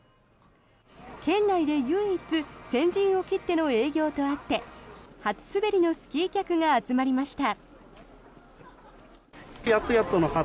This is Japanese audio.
県内で唯一先陣を切っての営業とあって初滑りのスキー客が集まりました。